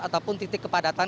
ataupun titik kepadatan